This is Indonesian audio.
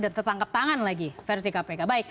dan tertangkap tangan lagi versi kpk